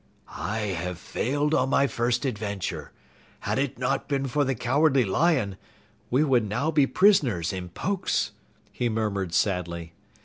"I have failed on my first adventure. Had it not been for the Cowardly Lion, we would now be prisoners in Pokes," he murmured sadly.